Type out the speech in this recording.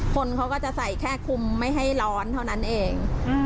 คนเขาก็จะใส่แค่คุมไม่ให้ร้อนเท่านั้นเอง